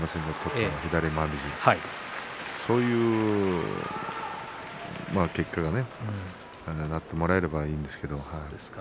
そういう結果になってもらえればいいんですけどね。